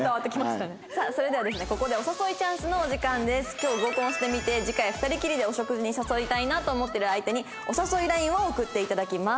今日合コンしてみて次回２人きりでお食事に誘いたいなと思ってる相手にお誘いＬＩＮＥを送って頂きます。